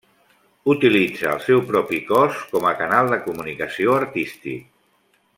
Utilitza el seu propi cos com a canal de comunicació artístic.